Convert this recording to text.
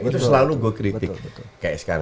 itu selalu gue kritik kayak sekarang